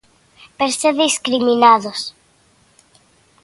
Verse discriminados.